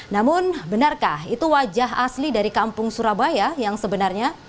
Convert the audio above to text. namun benarkah itu wajah asli dari kampung surabaya yang sebenarnya